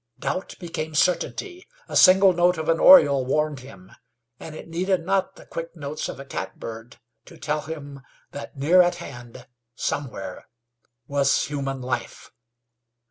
Doubt became certainty. A single note of an oriole warned him, and it needed not the quick notes of a catbird to tell him that near at hand, somewhere, was human life.